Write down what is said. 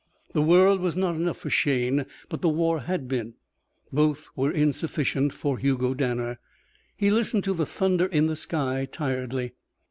The world was not enough for Shayne, but the war had been. Both were insufficient for Hugo Danner. He listened to the thunder in the sky tiredly.